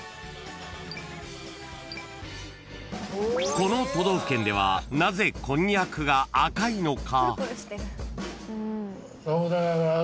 ［この都道府県ではなぜこんにゃくが赤いのか？］